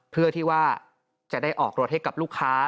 เพื่อที่ว่าจะได้ออกรถให้กับลูกค้า